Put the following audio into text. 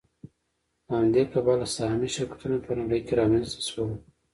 له همدې کبله سهامي شرکتونه په نړۍ کې رامنځته شول